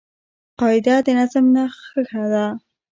قاعده د نظم نخښه ده.